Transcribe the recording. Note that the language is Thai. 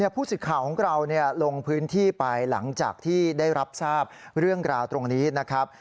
ผู้สื่อข่าวของเราลงพื้นที่ไปหลังจากที่ได้รับทราบเรื่องราวตรงนี้นะครับ